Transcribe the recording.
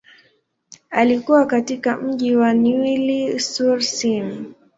Alikua katika mji wa Neuilly-sur-Seine.